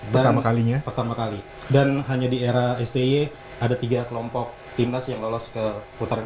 pertama kalinya pertama kali dan hanya di era sti ada tiga kelompok timnas yang lolos ke putaran